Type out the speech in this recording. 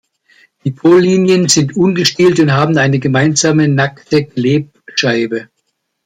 Die Pollinien sind ungestielt und haben eine gemeinsame, nackte Klebscheibe.